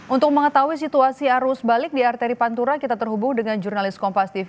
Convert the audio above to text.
untuk mengetahui situasi arus balik di arteri pantura kita terhubung dengan jurnalis kompas tv